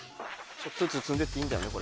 ちょっとずつ積んでっていいんだよね？